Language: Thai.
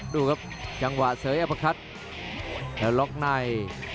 ดูครับจังหวะเสยอัปพะคัทแล้วล็อกนาย